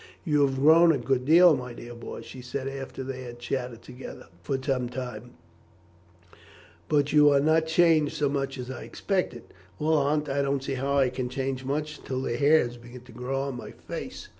"You have grown a good deal, my dear boy," she said after they had chatted together for some time, "but you are not changed so much as I expected." "Well, Aunt, I don't see how I can change much till the hair begins to grow on my face.